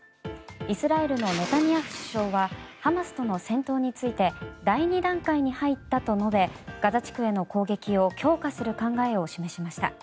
イスラエルのネタニヤフ首相はハマスとの戦闘について第２段階に入ったと述べガザ地区への攻撃を強化する考えを示しました。